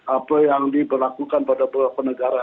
apa yang diberlakukan pada beberapa negara